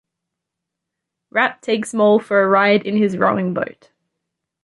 Rat takes Mole for a ride in his rowing boat.